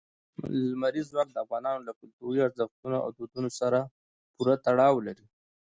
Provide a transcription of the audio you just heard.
لمریز ځواک د افغانانو له کلتوري ارزښتونو او دودونو سره پوره تړاو لري.